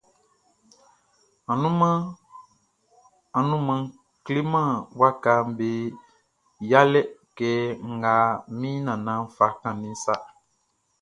Anumanʼn kleman wakaʼm be yalɛ kɛ nga min nannanʼn fa kanʼn sa.